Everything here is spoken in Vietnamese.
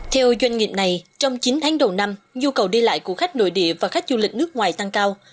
theo doanh nghiệp này trong chín tháng đầu năm nhu cầu đi lại của khách nội địa và khách du lịch nước ngoài tăng cao